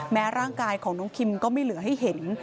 ร่างกายของน้องคิมก็ไม่เหลือให้เห็น